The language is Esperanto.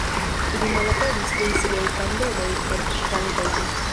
Ili malaperis kun siaj kandeloj en ŝrankojn.